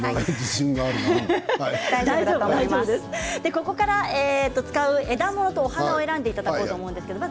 ここから使う枝ものとお花を選んでいただこうと思います。